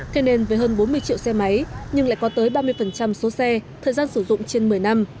thế nên với hơn bốn mươi triệu xe máy nhưng lại có tới ba mươi số xe thời gian sử dụng trên một mươi năm